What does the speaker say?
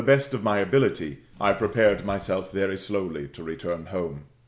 209 best of my ability, I prepared myself very slowly to return home.